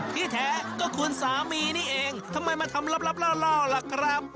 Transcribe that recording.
ที่แท้ก็คุณสามีนี่เองทำไมมาทำลับล่อล่ะครับ